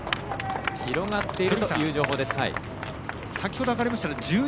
広がっているという情報です。